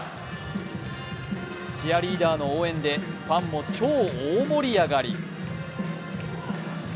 チアリーダーの応援でファンも超大盛り上がり。